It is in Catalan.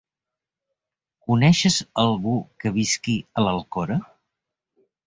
Coneixes algú que visqui a l'Alcora?